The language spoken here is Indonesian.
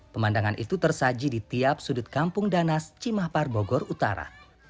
pemandangan itu tersaji di tiap sudut kampung danas cimahpar bogor utara